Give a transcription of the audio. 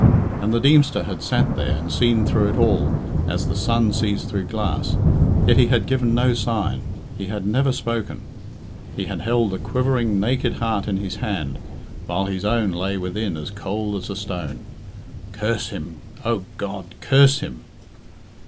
And the Deemster had sat there and seen through it all as the sun sees through glass, yet he had given no sign, he had never spoken; he had held a quivering, naked heart in his hand, while his own lay within as cold as a stone. Curse him, O God! Curse him!